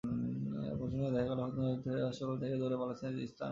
অপারেশনের সময় দেখা গেল হন্তদন্ত হয়ে হাসপাতাল থেকে দৌড়ে পালাচ্ছে তিস্তা নদী।